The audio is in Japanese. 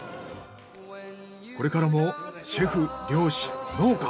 これからもシェフ漁師農家。